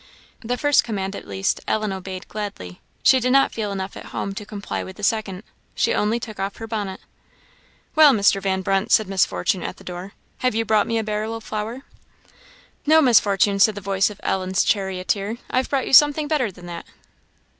The first command, at least, Ellen obeyed gladly; she did not feel enough at home to comply with the second. She only took off her bonnet. "Well, Mr. Van Brunt," said Miss Fortune, at the door, "have you brought me a barrel of flour?" "No, Miss Fortune," said the voice of Ellen's charioteer, "I've brought you something better than that."